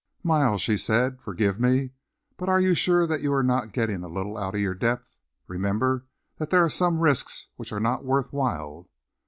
"Miles," she said, "forgive me, but are you sure that you are not getting a little out of your depth? Remember that there are some risks which are not worth while."